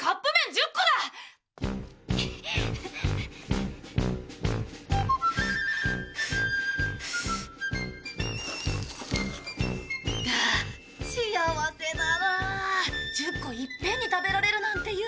１０個いっぺんに食べられるなんて夢みたいだ。